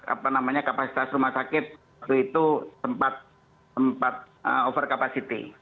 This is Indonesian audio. apa namanya kapasitas rumah sakit waktu itu tempat over capacity